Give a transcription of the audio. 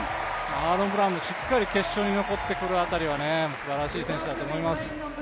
アーロン・ブラウンもしっかり決勝に残ってくる辺りすばらしい選手だと思います。